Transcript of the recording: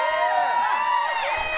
惜しい！